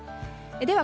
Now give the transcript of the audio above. では